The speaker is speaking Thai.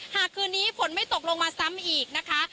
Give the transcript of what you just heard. คืนนี้ฝนไม่ตกลงมาซ้ำอีกนะคะ